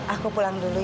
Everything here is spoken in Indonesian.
aku pulang dulu ya